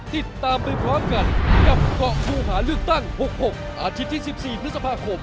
ติดตามไปพร้อมกันกับเกาะผู้หาเลือกตั้ง๖๖อาทิตย์ที่๑๔พฤษภาคม